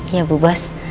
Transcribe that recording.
iya bu bos